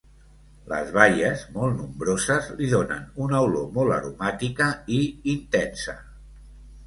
Les baies, molt nombroses, li donen una olor molt aromàtica i intensa.